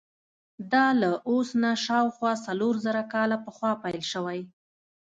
دا له اوس نه شاوخوا څلور زره کاله پخوا پیل شوی.